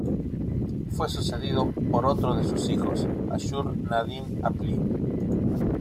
Fue sucedido por otro de sus hijos, Ashur-nadin-apli.